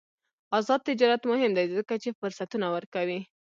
آزاد تجارت مهم دی ځکه چې فرصتونه ورکوي.